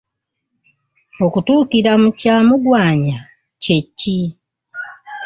Okutuukira mu kya Mugwanya kye ki?